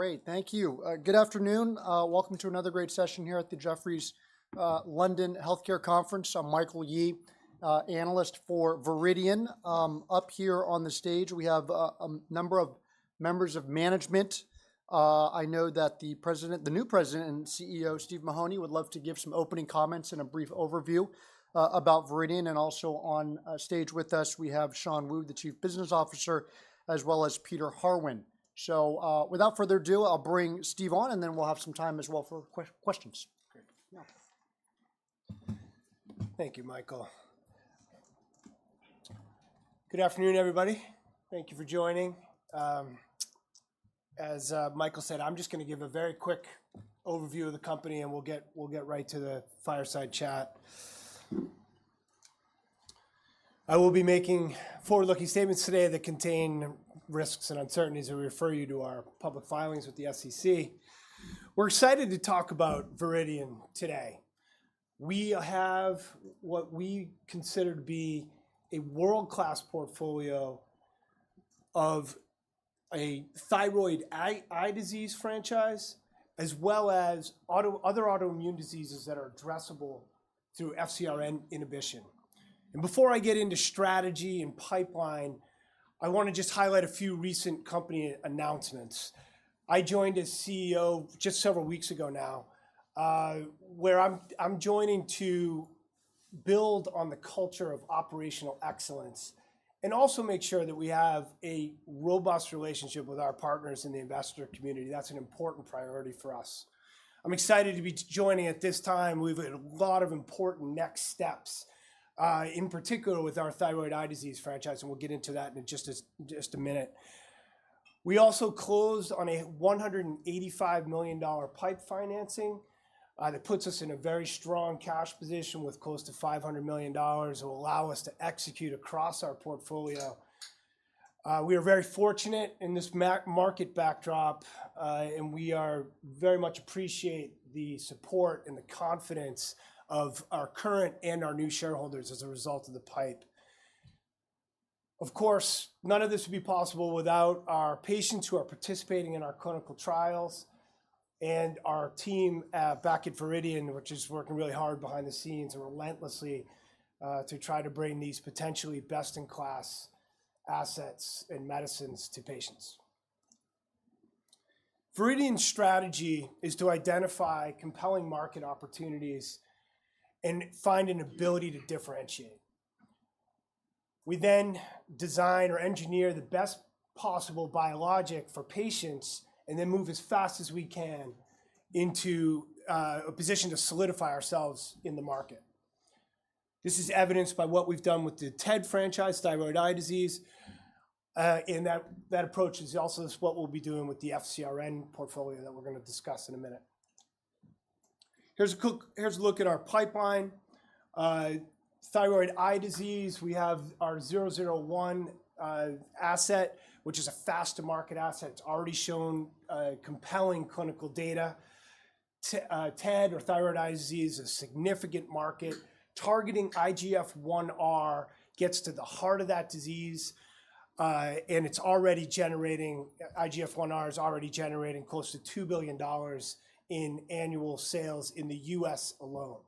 Great. Thank you. Good afternoon. Welcome to another great session here at the Jefferies London Healthcare Conference. I'm Michael Yee, analyst for Viridian. Up here on the stage, we have a number of members of management. I know that the President, the new President and CEO, Steve Mahoney, would love to give some opening comments and a brief overview about Viridian. Also on stage with us, we have Shan Wu, the Chief Business Officer, as well as Peter Harwin. So, without further ado, I'll bring Steve on, and then we'll have some time as well for questions. Great. Yeah. Thank you, Michael. Good afternoon, everybody. Thank you for joining. As Michael said, I'm just gonna give a very quick overview of the company, and we'll get right to the fireside chat. I will be making forward-looking statements today that contain risks and uncertainties. We refer you to our public filings with the SEC. We're excited to talk about Viridian today. We have what we consider to be a world-class portfolio of a thyroid eye disease franchise, as well as other autoimmune diseases that are addressable through FcRn inhibition. Before I get into strategy and pipeline, I wanna just highlight a few recent company announcements. I joined as CEO just several weeks ago now, where I'm joining to build on the culture of operational excellence and also make sure that we have a robust relationship with our partners in the investor community. That's an important priority for us. I'm excited to be joining at this time. We have a lot of important next steps, in particular with our thyroid eye disease franchise, and we'll get into that in just a minute. We also closed on a $185 million PIPE financing, that puts us in a very strong cash position with close to $500 million. It will allow us to execute across our portfolio. We are very fortunate in this market backdrop, and we very much appreciate the support and the confidence of our current and our new shareholders as a result of the PIPE. Of course, none of this would be possible without our patients who are participating in our clinical trials and our team back at Viridian, which is working really hard behind the scenes and relentlessly to try to bring these potentially best-in-class assets and medicines to patients. Viridian's strategy is to identify compelling market opportunities and find an ability to differentiate. We then design or engineer the best possible biologic for patients and then move as fast as we can into a position to solidify ourselves in the market. This is evidenced by what we've done with the TED franchise, thyroid eye disease, and that approach is also what we'll be doing with the FcRn portfolio that we're gonna discuss in a minute. Here's a look at our pipeline. thyroid eye disease, we have our VRDN-001 asset, which is a fast-to-market asset. It's already shown compelling clinical data. TED or thyroid eye disease is a significant market. Targeting IGF-1R gets to the heart of that disease, and IGF-1R is already generating close to $2 billion in annual sales in the U.S. alone.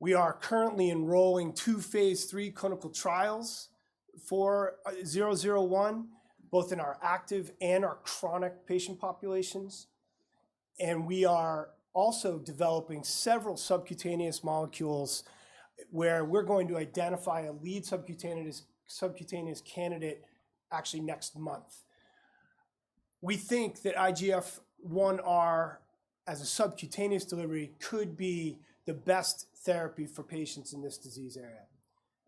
We are currently enrolling two Phase III clinical trials for VRDN-001, both in our active and our chronic patient populations, and we are also developing several subcutaneous molecules, where we're going to identify a lead subcutaneous, subcutaneous candidate actually next month. We think that IGF-1R as a subcutaneous delivery could be the best therapy for patients in this disease area.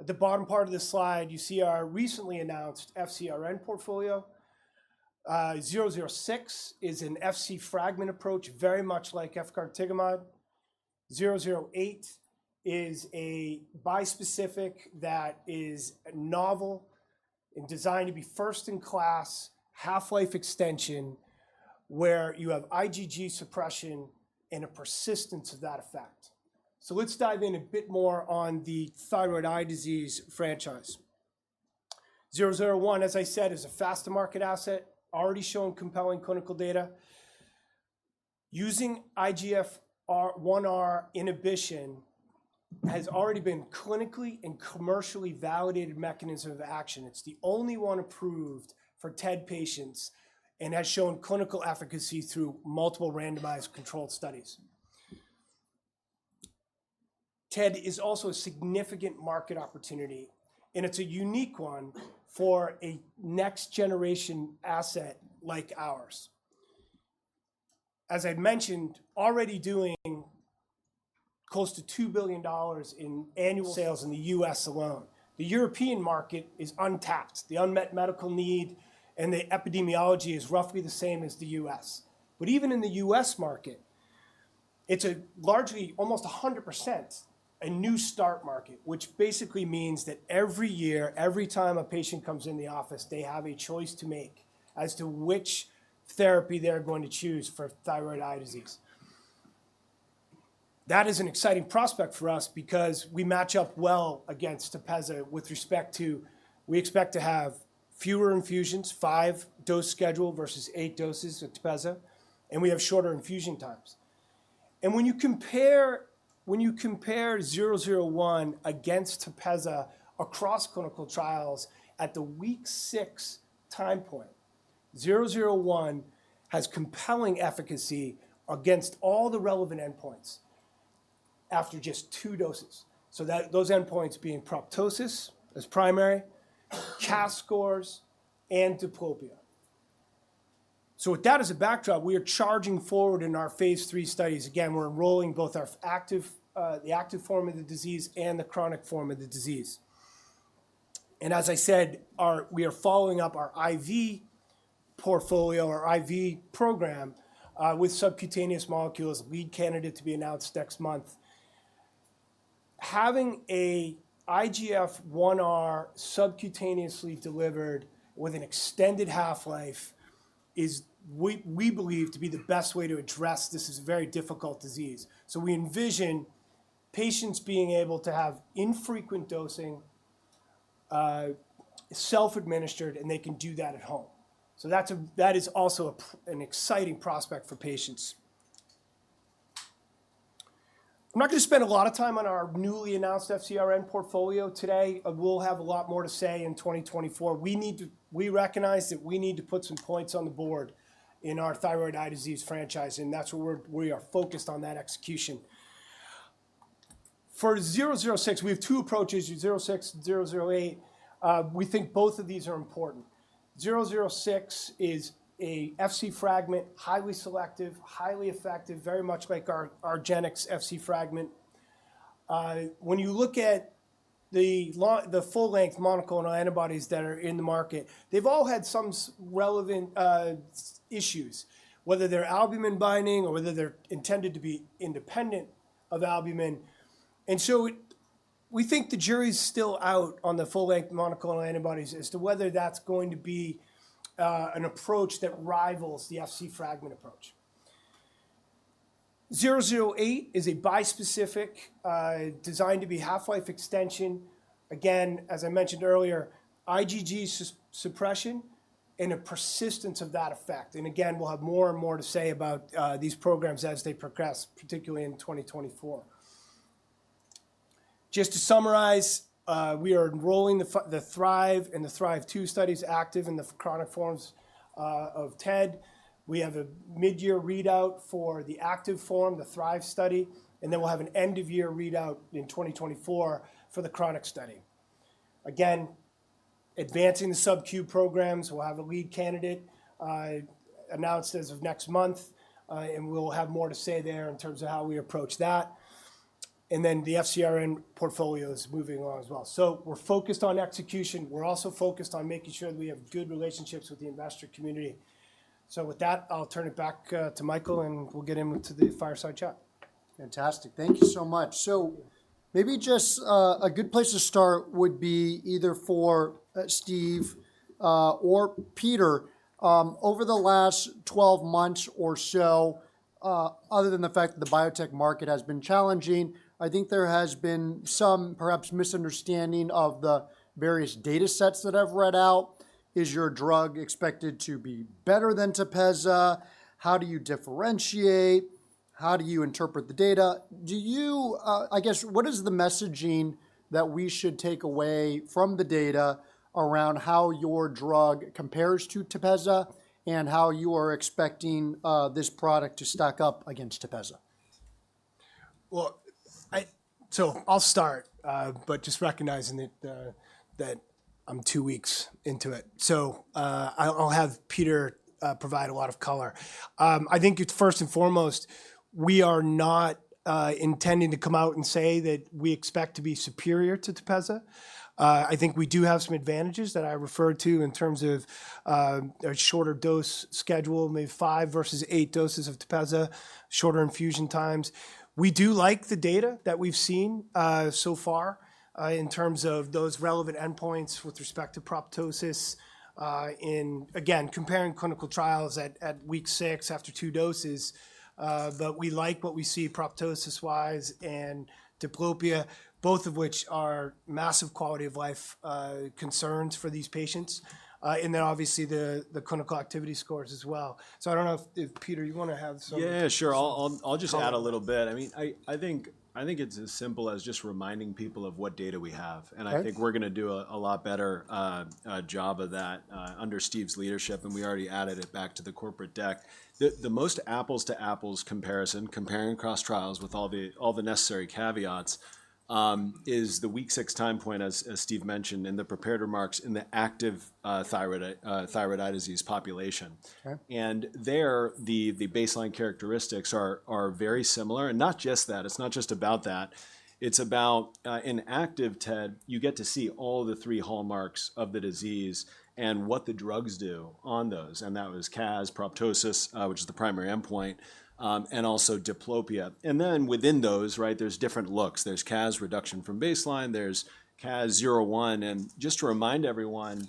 At the bottom part of this slide, you see our recently announced FcRn portfolio. VRDN-006 is an Fc fragment approach, very much like efgartigimod. VRDN-008 is a bispecific that is novel and designed to be first-in-class, half-life extension, where you have IgG suppression and a persistence of that effect. So let's dive in a bit more on the thyroid eye disease franchise. VRDN-001, as I said, is a fast-to-market asset, already shown compelling clinical data. Using IGF-1R inhibition has already been clinically and commercially validated mechanism of action. It's the only one approved for TED patients and has shown clinical efficacy through multiple randomized controlled studies. TED is also a significant market opportunity, and it's a unique one for a next-generation asset like ours. As I've mentioned, already doing close to $2 billion in annual sales in the U.S. alone. The European market is untapped. The unmet medical need and the epidemiology is roughly the same as the U.S. But even in the U.S. market, it's a largely, almost 100%, a new start market, which basically means that every year, every time a patient comes in the office, they have a choice to make as to which therapy they're going to choose for thyroid eye disease. That is an exciting prospect for us because we match up well against Tepezza with respect to, we expect to have fewer infusions, five-dose schedule versus eight doses of Tepezza, and we have shorter infusion times. And when you compare VRDN-001 against Tepezza across clinical trials at the week six time point, VRDN-001 has compelling efficacy against all the relevant endpoints after just two doses. So that, those endpoints being proptosis as primary, CAS scores, and diplopia. So with that as a backdrop, we are charging forward in our Phase III studies. Again, we're enrolling both our active, the active form of the disease and the chronic form of the disease. And as I said, we are following up our IV portfolio, our IV program, with subcutaneous molecules, lead candidate to be announced next month. Having an IGF-1R subcutaneously delivered with an extended half-life is, we believe, to be the best way to address this very difficult disease. So we envision patients being able to have infrequent dosing, self-administered, and they can do that at home. So that's also an exciting prospect for patients. I'm not gonna spend a lot of time on our newly announced FcRn portfolio today. We'll have a lot more to say in 2024. We recognize that we need to put some points on the board in our thyroid eye disease franchise, and that's where we are focused on that execution. For VRDN-006, we have two approaches, VRDN-006 and VRDN-008. We think both of these are important. VRDN-006 is a Fc fragment, highly selective, highly effective, very much like the Argenx Fc fragment. When you look at the full-length monoclonal antibodies that are in the market, they've all had some relevant issues, whether they're albumin binding or whether they're intended to be independent of albumin. So we think the jury's still out on the full-length monoclonal antibodies as to whether that's going to be an approach that rivals the Fc fragment approach. VRDN-008 is a bispecific designed to be half-life extension. Again, as I mentioned earlier, IgG suppression and a persistence of that effect. And again, we'll have more and more to say about these programs as they progress, particularly in 2024. Just to summarize, we are enrolling the THRIVE and the THRIVE-2 studies, active and the chronic forms of TED. We have a mid-year readout for the active form, the THRIVE study, and then we'll have an end-of-year readout in 2024 for the chronic study. Again, advancing the subQ programs, we'll have a lead candidate announced as of next month, and we'll have more to say there in terms of how we approach that. And then the FcRn portfolio is moving along as well. So we're focused on execution. We're also focused on making sure that we have good relationships with the investor community. So with that, I'll turn it back to Michael, and we'll get into the fireside chat. Fantastic. Thank you so much. So maybe just, a good place to start would be either for, Steve, or Peter. Over the last 12 months or so, other than the fact that the biotech market has been challenging, I think there has been some perhaps misunderstanding of the various data sets that I've read out. Is your drug expected to be better than Tepezza? How do you differentiate? How do you interpret the data? Do you... I guess, what is the messaging that we should take away from the data around how your drug compares to Tepezza, and how you are expecting, this product to stack up against Tepezza? Well, so I'll start, but just recognizing that that I'm two weeks into it. So, I'll have Peter provide a lot of color. I think it's first and foremost, we are not intending to come out and say that we expect to be superior to Tepezza. I think we do have some advantages that I referred to in terms of a shorter dose schedule, maybe five versus eight doses of Tepezza, shorter infusion times. We do like the data that we've seen so far in terms of those relevant endpoints with respect to proptosis in... Again, comparing clinical trials at week six after two doses, but we like what we see proptosis-wise and diplopia, both of which are massive quality of life concerns for these patients, and then obviously the clinical activity scores as well. So I don't know if Peter, you wanna have some- Yeah, sure. I'll just add a little bit. I mean, I think it's as simple as just reminding people of what data we have. Okay. And I think we're gonna do a lot better job of that under Steve's leadership, and we already added it back to the corporate deck. The most apples-to-apples comparison, comparing across trials with all the necessary caveats, is the week six time point, as Steve mentioned in the prepared remarks, in the active thyroid eye disease population. Okay. And there, the baseline characteristics are very similar. And not just that, it's not just about that, it's about in active TED, you get to see all the three hallmarks of the disease and what the drugs do on those, and that was CAS, proptosis, which is the primary endpoint, and also diplopia. And then within those, right, there's different looks. There's CAS reduction from baseline, there's CAS 0/1, and just to remind everyone,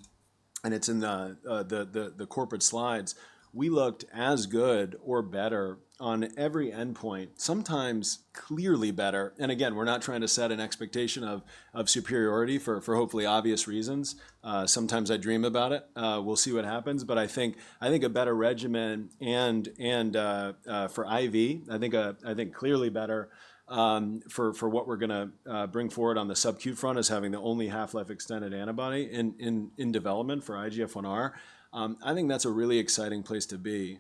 and it's in the corporate slides. We looked as good or better on every endpoint, sometimes clearly better, and again, we're not trying to set an expectation of superiority for hopefully obvious reasons. Sometimes I dream about it. We'll see what happens, but I think a better regimen and for IV, I think clearly better, for what we're gonna bring forward on the subQ front as having the only half-life extended antibody in development for IGF-1R. I think that's a really exciting place to be.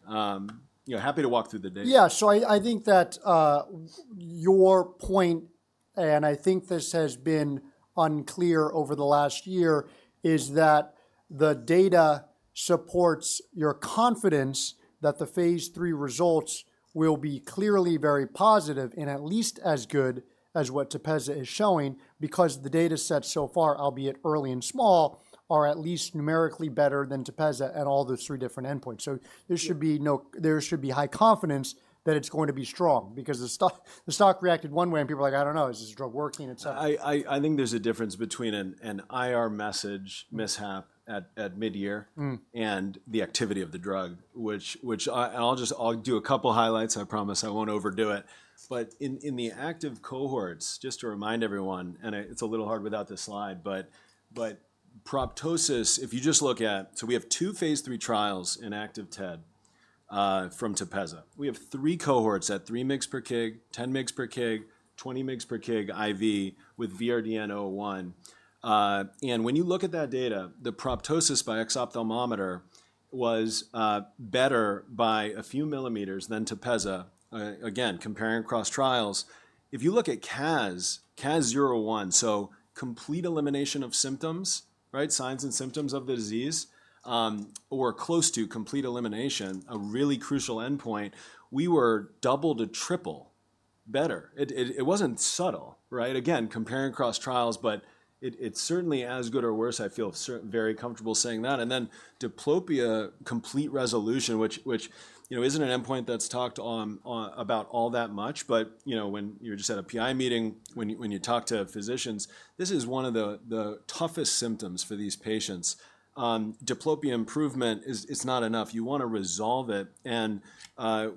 You know, happy to walk through the data. Yeah, so I think that, with your point, and I think this has been unclear over the last year, is that the data supports your confidence that the Phase III results will be clearly very positive and at least as good as what Tepezza is showing. Because the data set so far, albeit early and small, are at least numerically better than Tepezza at all those three different endpoints. So there should be high confidence that it's going to be strong. Because the stock, the stock reacted one way, and people are like, "I don't know, is this drug working? It's- I think there's a difference between an IR message mishap at mid-year- Mm. and the activity of the drug. And I'll just, I'll do a couple highlights. I promise I won't overdo it. But in the active cohorts, just to remind everyone, it's a little hard without the slide, but proptosis, if you just look at. So we have two Phase III trials in active TED from Tepezza. We have three cohorts at 3 mg/kg, 10 mg/kg, 20 mg/kg IV with VRDN-001. And when you look at that data, the proptosis by exophthalmometer was better by a few millimeters than Tepezza, again, comparing across trials. If you look at CAS, CAS 0/1, so complete elimination of symptoms, right? Signs and symptoms of the disease, or close to complete elimination, a really crucial endpoint. We were double to triple better. It wasn't subtle, right? Again, comparing across trials, but it's certainly as good or worse. I feel very comfortable saying that. And then diplopia, complete resolution, which you know isn't an endpoint that's talked about all that much. But you know when you're just at a PI meeting, when you talk to physicians, this is one of the toughest symptoms for these patients. Diplopia improvement isn't enough. You wanna resolve it, and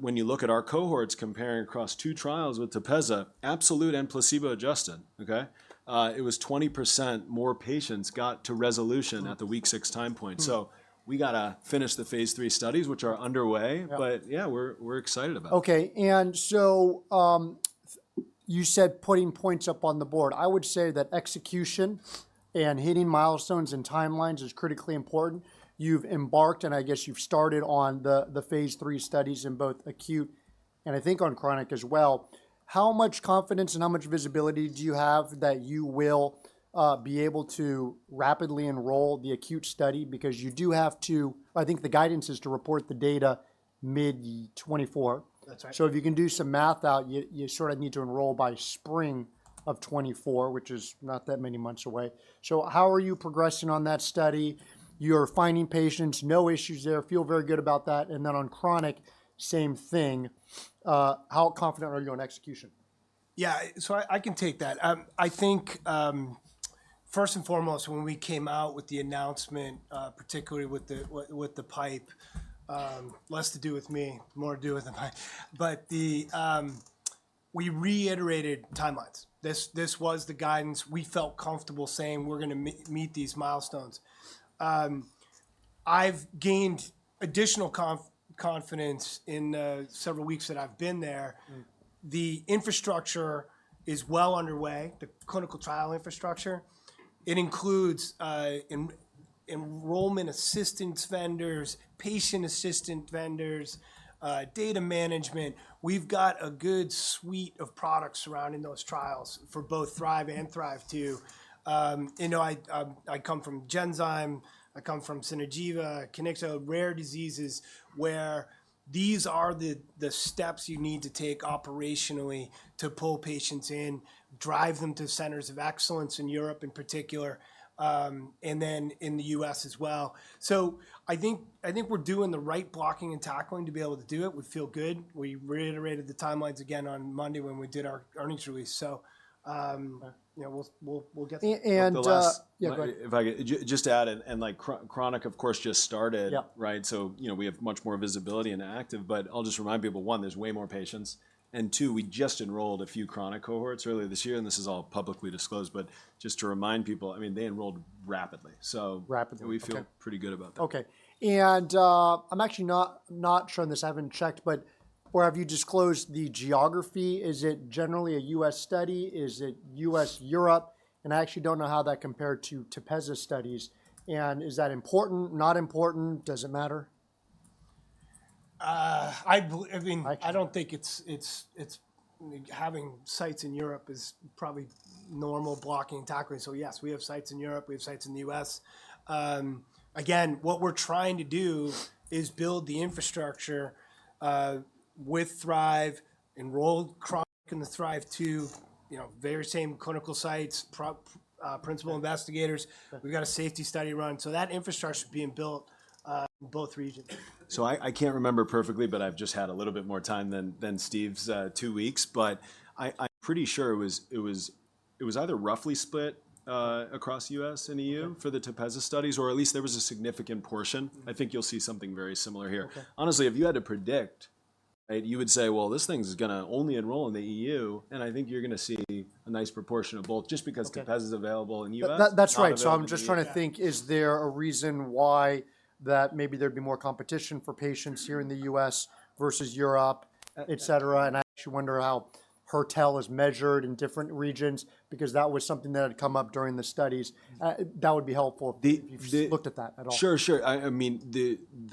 when you look at our cohorts comparing across two trials with Tepezza, absolute and placebo-adjusted. It was 20% more patients got to resolution at the week six time point. Mm. We gotta finish the Phase III studies, which are underway. Yep. Yeah, we're excited about it. Okay, and so, you said putting points up on the board. I would say that execution and hitting milestones and timelines is critically important. You've embarked, and I guess you've started on the Phase III studies in both acute and I think on chronic as well. How much confidence and how much visibility do you have that you will be able to rapidly enroll the acute study? Because you do have to... I think the guidance is to report the data mid-2024. That's right. So if you can do some math out, you, you sort of need to enroll by spring of 2024, which is not that many months away. So how are you progressing on that study? You're finding patients, no issues there, feel very good about that, and then on chronic, same thing. How confident are you on execution? Yeah, so I can take that. I think, first and foremost, when we came out with the announcement, particularly with the PIPE, less to do with me, more to do with the PIPE. But we reiterated timelines. This was the guidance. We felt comfortable saying we're gonna meet these milestones. I've gained additional confidence in the several weeks that I've been there. Mm. The infrastructure is well underway, the clinical trial infrastructure. It includes enrollment assistance vendors, patient assistance vendors, data management. We've got a good suite of products surrounding those trials for both THRIVE and THRIVE-2. You know, I come from Genzyme, I come from Synageva, Kiniksa, rare diseases, where these are the steps you need to take operationally to pull patients in, drive them to centers of excellence in Europe in particular, and then in the U.S. as well. So I think we're doing the right blocking and tackling to be able to do it. We feel good. We reiterated the timelines again on Monday when we did our earnings release. So, Right.... you know, we'll get there. And, uh- But the last- Yeah, go ahead. If I could just to add, and like chronic, of course, just started. Yep. Right? So, you know, we have much more visibility in active, but I'll just remind people, one, there's way more patients, and two, we just enrolled a few chronic cohorts earlier this year, and this is all publicly disclosed. But just to remind people, I mean, they enrolled rapidly, so- Rapidly, okay. We feel pretty good about that. Okay, and, I'm actually not sure on this, I haven't checked, but or have you disclosed the geography? Is it generally a U.S. study? Is it U.S., Europe? And I actually don't know how that compared to Tepezza studies. And is that important, not important, does it matter? I mean- Okay.... I don't think it's having sites in Europe is probably normal blocking and tackling. So yes, we have sites in Europe, we have sites in the U.S. Again, what we're trying to do is build the infrastructure with THRIVE, enroll chronic in the THRIVE-2, you know, very same clinical sites, principal investigators. Right. We've got a safety study run. So that infrastructure is being built in both regions. So I can't remember perfectly, but I've just had a little bit more time than Steve's two weeks, but I'm pretty sure it was either roughly split across U.S. and E.U.- Yep. for the Tepezza studies, or at least there was a significant portion. Mm-hmm. I think you'll see something very similar here. Okay. Honestly, if you had to predict, right, you would say, "Well, this thing's gonna only enroll in the EU," and I think you're gonna see a nice proportion of both, just because- Okay.... Tepezza is available in the U.S.- That's right.... not available in the EU. I'm just trying to think, is there a reason why that maybe there'd be more competition for patients here in the U.S. versus Europe, et cetera? Uh, yeah. I actually wonder how Hertel is measured in different regions, because that was something that had come up during the studies. That would be helpful- The, the- If you've looked at that at all. Sure, sure. I mean,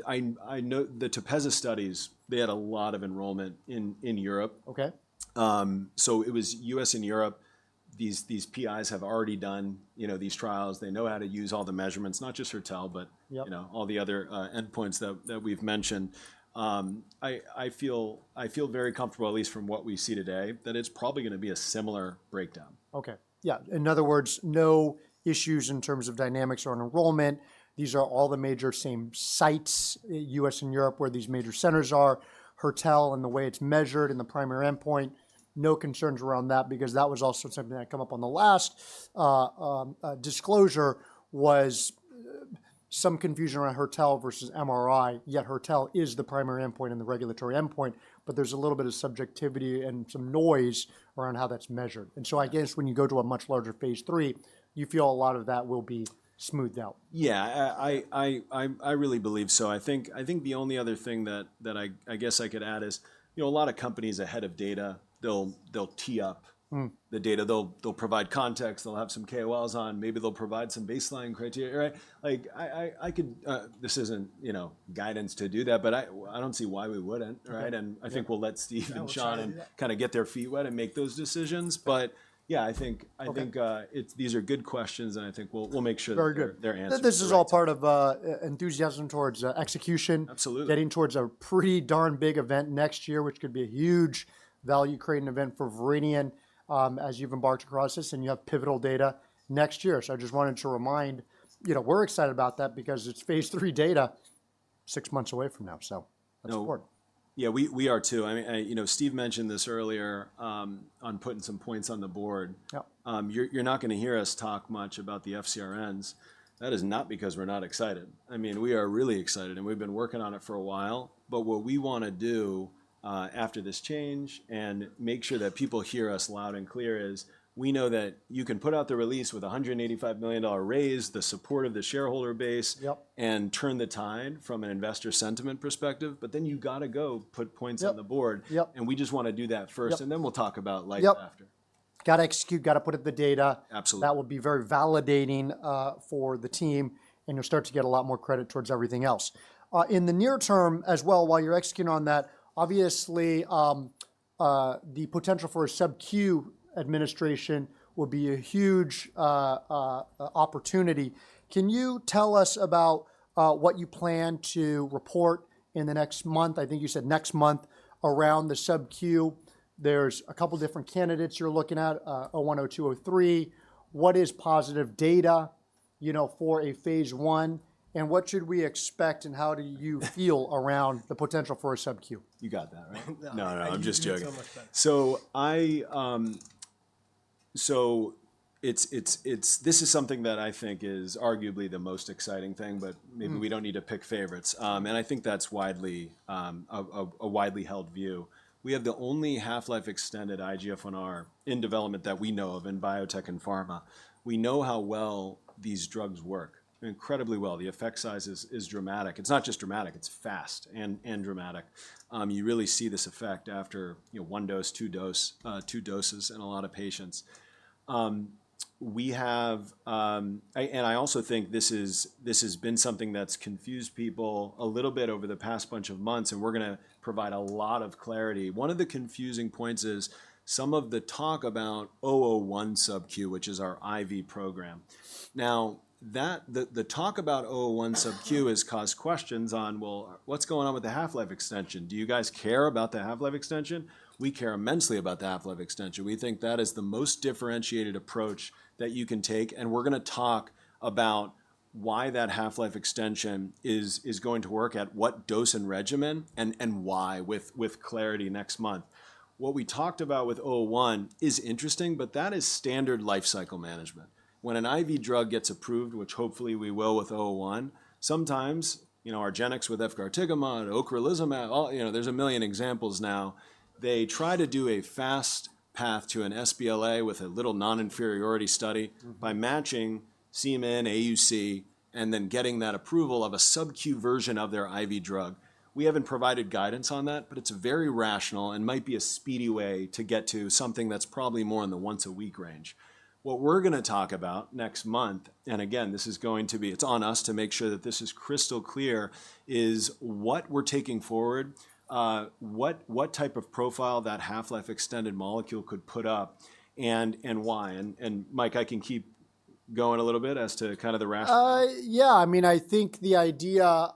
I know the Tepezza studies, they had a lot of enrollment in Europe. Okay. So it was U.S. and Europe. These PIs have already done, you know, these trials. They know how to use all the measurements, not just Hertel, but- Yep.... you know, all the other endpoints that we've mentioned. I feel very comfortable, at least from what we see today, that it's probably gonna be a similar breakdown. Okay, yeah. In other words, no issues in terms of dynamics or in enrollment. These are all the major same sites, U.S. and Europe, where these major centers are. Hertel and the way it's measured and the primary endpoint, no concerns around that because that was also something that came up on the last disclosure, some confusion around Hertel versus MRI, yet Hertel is the primary endpoint and the regulatory endpoint, but there's a little bit of subjectivity and some noise around how that's measured. Yeah. I guess when you go to a much larger Phase III, you feel a lot of that will be smoothed out. Yeah, I really believe so. I think the only other thing that I guess I could add is, you know, a lot of companies ahead of data, they'll tee up- Mm.... the data. They'll provide context, they'll have some KOLs on, maybe they'll provide some baseline criteria, right? Like, I could, this isn't, you know, guidance to do that, but I don't see why we wouldn't, right? Okay. Yeah. I think we'll let Steve and Shan- We'll try to do that.... kind of get their feet wet and make those decisions. But yeah, I think- Okay.... I think it's these are good questions, and I think we'll make sure- Very good.... they're answered correct. This is all part of enthusiasm towards execution- Absolutely.... getting towards a pretty darn big event next year, which could be a huge value-creating event for Viridian, as you've embarked across this, and you have pivotal data next year. So I just wanted to remind, you know, we're excited about that because it's Phase III data, six months away from now, so- No.... that's important. Yeah, we are, too. I mean, you know, Steve mentioned this earlier on putting some points on the board. Yep. You're not gonna hear us talk much about the FcRns. That is not because we're not excited. I mean, we are really excited, and we've been working on it for a while. But what we wanna do, after this change and make sure that people hear us loud and clear, is we know that you can put out the release with a $185 million raise, the support of the shareholder base- Yep.... and turn the tide from an investor sentiment perspective, but then you've gotta go put points on the board. Yep, yep. We just wanna do that first. Yep.... and then we'll talk about life after. Yep. Gotta execute, gotta put up the data. Absolutely. That will be very validating for the team, and you'll start to get a lot more credit towards everything else. In the near term as well, while you're executing on that, obviously, the potential for a subQ administration will be a huge opportunity. Can you tell us about what you plan to report in the next month? I think you said next month around the subQ. There's a couple different candidates you're looking at, VRDN-001, VRDN-002, VRDN-003. What is positive data, you know, for a Phase I, and what should we expect, and how do you feel around the potential for a subQ? You got that, right? No. No, no, I'm just joking. You made so much sense. So it's this is something that I think is arguably the most exciting thing, but- Mm.... maybe we don't need to pick favorites. And I think that's a widely held view. We have the only half-life extended IGF-1R in development that we know of in biotech and pharma. We know how well these drugs work, incredibly well. The effect size is dramatic. It's not just dramatic, it's fast and dramatic. You really see this effect after, you know, one dose, two doses in a lot of patients. And I also think this is, this has been something that's confused people a little bit over the past bunch of months, and we're gonna provide a lot of clarity. One of the confusing points is some of the talk about VRDN-001 subQ, which is our IV program. Now, the talk about VRDN-001 subQ has caused questions on, "Well, what's going on with the half-life extension? Do you guys care about the half-life extension?" We care immensely about the half-life extension. We think that is the most differentiated approach that you can take, and we're gonna talk about why that half-life extension is going to work, at what dose and regimen, and why, with clarity next month. What we talked about with VRDN-001 is interesting, but that is standard life cycle management. When an IV drug gets approved, which hopefully we will with VRDN-001, sometimes, you know, Argenx with efgartigimod, ocrelizumab, all, you know, there's a million examples now. They try to do a fast path to an sBLA with a little non-inferiority study- Mm.... by matching Cmin, AUC, and then getting that approval of a subQ version of their IV drug. We haven't provided guidance on that, but it's very rational and might be a speedy way to get to something that's probably more in the once-a-week range. What we're gonna talk about next month, and again, this is going to be—it's on us to make sure that this is crystal clear, is what we're taking forward, what type of profile that half-life extended molecule could put up and why? And Mike, I can keep going a little bit as to kind of the rationale. Yeah, I mean, I think the idea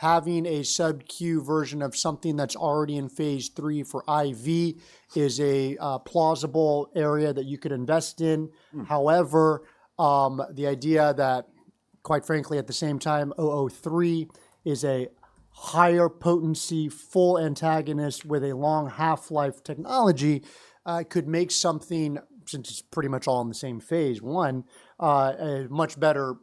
of having a subQ version of something that's already in Phase III for IV is a plausible area that you could invest in. Mm. However, the idea that quite frankly, at the same time, VRDN-003 is a higher potency, full antagonist with a long half-life technology could make something, since it's pretty much all in the same Phase I, a much better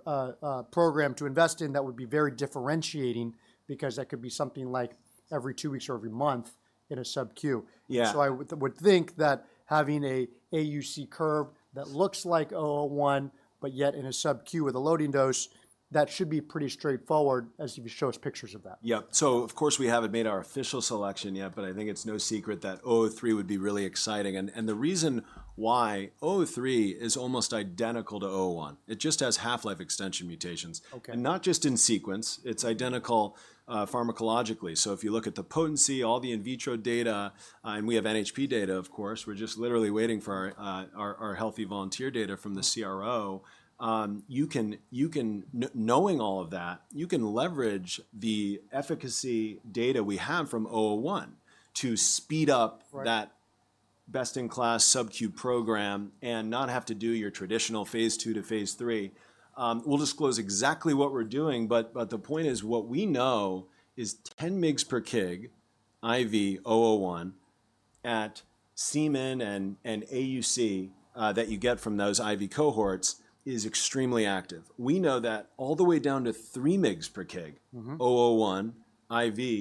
program to invest in that would be very differentiating because that could be something like every two weeks or every month in a subQ. Yeah. I would think that having an AUC curve that looks like VRDN-001, but yet in a subQ with a loading dose, that should be pretty straightforward as you show us pictures of that. Yeah. So of course, we haven't made our official selection yet, but I think it's no secret that VRDN-003 would be really exciting. And, and the reason why VRDN-003 is almost identical to VRDN-001, it just has half-life extension mutations. Okay. Not just in sequence, it's identical pharmacologically. So if you look at the potency, all the in vitro data, and we have NHP data, of course, we're just literally waiting for our healthy volunteer data from the CRO. Knowing all of that, you can leverage the efficacy data we have from VRDN-001 to speed up- Right... that best-in-class subQ program and not have to do your traditional Phase II to Phase III. We'll disclose exactly what we're doing, but, but the point is, what we know is 10 mg per kg IV VRDN-001 at Cmin and, and AUC, that you get from those IV cohorts is extremely active. We know that all the way down to 3 mg per kg- Mm-hmm.... VRDN-001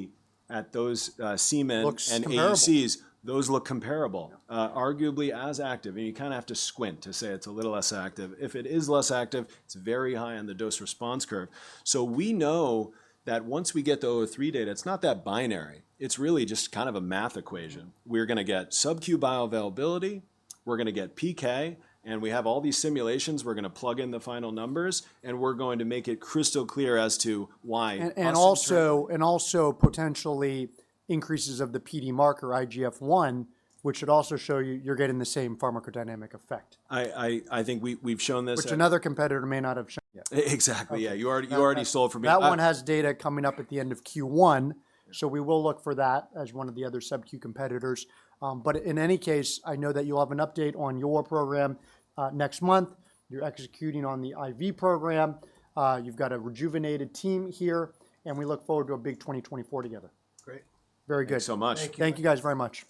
IV at those, Cmin and- Looks comparable.... AUCs, those look comparable. Yeah. Arguably as active, and you kind of have to squint to say it's a little less active. If it is less active, it's very high on the dose-response curve. So we know that once we get the VRDN-003 data, it's not that binary. It's really just kind of a math equation. We're going to get subQ bioavailability, we're going to get PK, and we have all these simulations. We're going to plug in the final numbers, and we're going to make it crystal clear as to why- And also potentially increases of the PD marker, IGF-1, which should also show you you're getting the same pharmacodynamic effect. I think we've shown this- Which another competitor may not have shown yet. Exactly. Yeah. Okay. You already sold for me. That one has data coming up at the end of Q1, so we will look for that as one of the other subQ competitors. But in any case, I know that you'll have an update on your program, next month. You're executing on the IV program. You've got a rejuvenated team here, and we look forward to a big 2024 together. Great. Very good. Thanks so much. Thank you. Thank you, guys, very much.